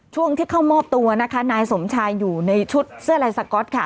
ช่วงที่เข้ามอบตัวนะคะนายสมชายอยู่ในชุดเสื้อลายสก๊อตค่ะ